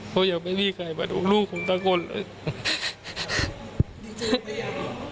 เพราะยังไม่มีใครมาดูลูกผมทั้งคนเลย